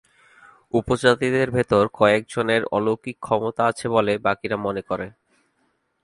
উপজাতিদের ভেতর কয়েকজনের অলৌকিক ক্ষমতা আছে বলে বাকিরা মনে করে।